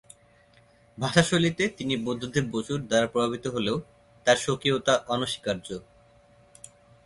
ভাষাশৈলীতে তিনি বুদ্ধদেব বসু-র দ্বারা প্রভাবিত হলেও তাঁর স্বকীয়তা অনস্বীকার্য।